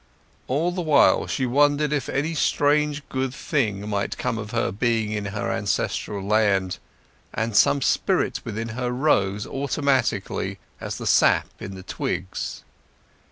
All the while she wondered if any strange good thing might come of her being in her ancestral land; and some spirit within her rose automatically as the sap in the twigs.